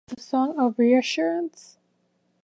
It's a song of reassurance.